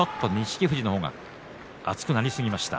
富士の方が熱くなりすぎました。